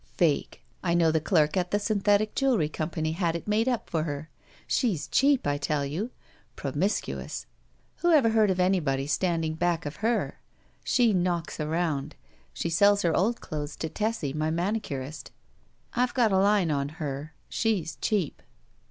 "Fake. I know the clerk at the Synthetic Jewelry Company had it made up for her. She's cheap, I tell you. Promiscuous. Who ever heard of anybody standing back of her ? She knocks arotmd. She sells her old clothes to Tessie, my manicurist. I've got a line on her. She's cheap."